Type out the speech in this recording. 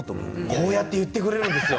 こうやって言ってくれるんですよ